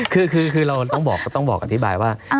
คือเราต้องบอกกว่าอธิบายว่า